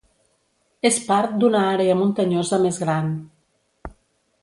És part d'una àrea muntanyosa més gran.